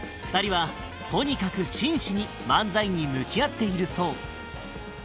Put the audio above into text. ２人はとにかく真摯に漫才に向き合っているそう